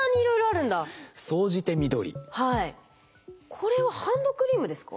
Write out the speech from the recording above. これはハンドクリームですか？